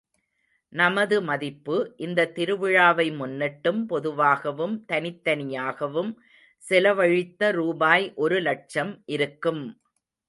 நமது மதிப்பு, இந்த திருவிழாவை முன்னிட்டும் பொதுவாகவும் தனித்தனியாகவும் செலவழித்த ரூபாய் ஒரு லட்சம் இருக்கும்!